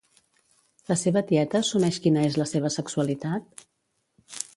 La seva tieta assumeix quina és la seva sexualitat?